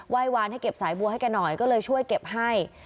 เพื่อข่าวไปเจ็บสายบัวให้แก่น้อยก็เลยช่วยเก็บให้